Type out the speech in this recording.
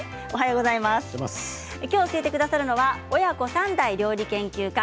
今日教えてくださるのは親子３代料理研究家